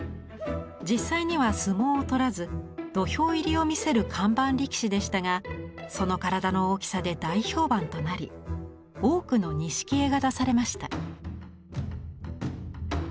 実際には相撲を取らず土俵入りを見せる「看板力士」でしたがその体の大きさで大評判となり多くの錦絵が出されました。